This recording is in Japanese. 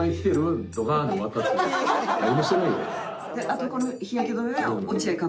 あとこの日焼け止めは。